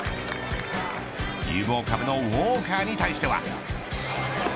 有望株のウォーカーに対しては。